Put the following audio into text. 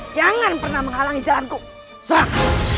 jangan pernah menghalangi jalanku serang